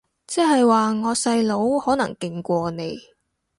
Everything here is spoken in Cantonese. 即係話我細佬可能勁過你